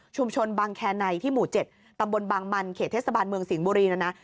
บางแคในที่หมู่๗ตำบลบางมันเขตเทศบาลเมืองสิงห์บุรีนะนะ